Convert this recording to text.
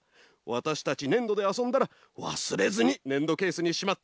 わたしたちねんどであそんだらわすれずにねんどケースにしまっておくれよ。